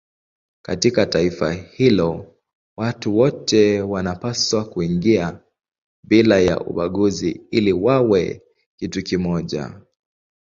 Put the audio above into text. Katika taifa hilo watu wote wanapaswa kuingia bila ya ubaguzi ili wawe kitu kimoja.